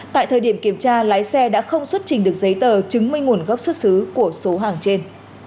tại thời điểm kiểm tra lái xe đã không xuất trình được giấy tờ chứng minh nguồn gốc xuất xứ của số hàng trên